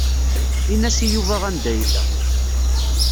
In-as i Yuba anda yella.